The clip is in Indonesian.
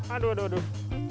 aduh aduh aduh